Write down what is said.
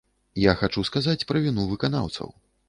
Я хачу сказаць пра віну выканаўцаў.